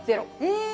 え！